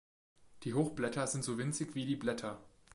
Die Hochblätter sind so winzig wie die Blätter.